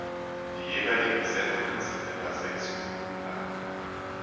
Die jeweiligen Sendungen sind etwa sechs Minuten lang.